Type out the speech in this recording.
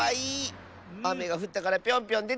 あめがふったからピョンピョンでてきたのかな。